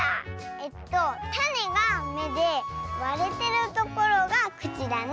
えっとたねが「め」でわれてるところがくちだね。